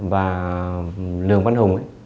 và lường văn hùng